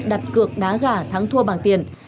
đặt cược đá gà thắng thua bằng tiền